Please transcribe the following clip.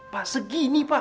pak segini pak